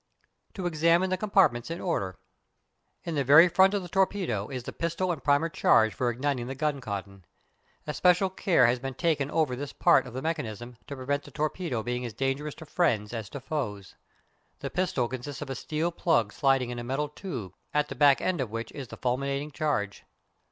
To examine the compartments in order: In the very front of the torpedo is the pistol and primer charge for igniting the gun cotton. Especial care has been taken over this part of the mechanism, to prevent the torpedo being as dangerous to friends as to foes. The pistol consists of a steel plug sliding in a metal tube, at the back end of which is the fulminating charge.